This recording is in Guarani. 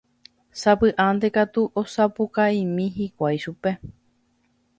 Sapy'ánte katu osapukáimi hikuái chupe